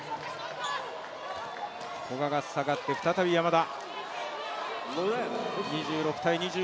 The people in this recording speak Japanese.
古賀が下がって、再び山田。